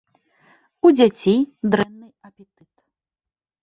У дзяцей дрэнны апетыт.